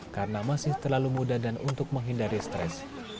karena masih terlalu muda dan untuk menghindari stres